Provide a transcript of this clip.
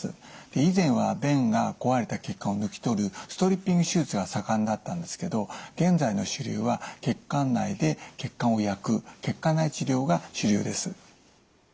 以前は弁が壊れた血管を抜き取るストリッピング手術が盛んだったんですけど現在の主流は血管内で血管を焼く血管内治療が主流です。